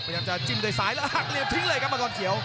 พยายามจะจิ้มด้วยซ้ายแล้วหักเหลี่ยมทิ้งเลยครับมังกรเขียว